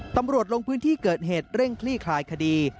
ตำรวจลงพื้นที่เกิดเหตุเร่งคลี่คลายคดี